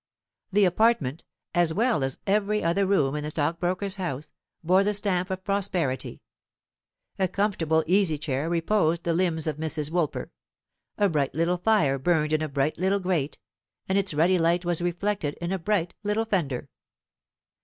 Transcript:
This apartment, as well as every other room in the stockbroker's house, bore the stamp of prosperity. A comfortable easy chair reposed the limbs of Mrs. Woolper; a bright little fire burned in a bright little grate, and its ruddy light was reflected in a bright little fender.